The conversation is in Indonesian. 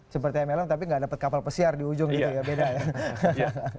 seperti ml tapi nggak dapat kapal pesiar di ujung gitu ya beda ya